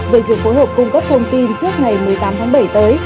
về việc phối hợp cung cấp thông tin trước ngày một mươi tám tháng bảy tới